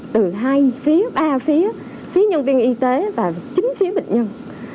từ hai phía ba phía phía nhân viên y tế và chính phía bệnh nhân